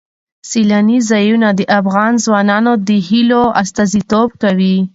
سیلانی ځایونه د افغان ځوانانو د هیلو استازیتوب کوي.